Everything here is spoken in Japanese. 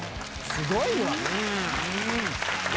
すごいわ！